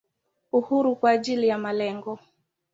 Uhuru kwa ajili ya malengo.